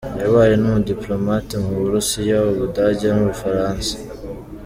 Yabaye n’umudipolomate mu Burusiya, u Budage n’u Bufaransa.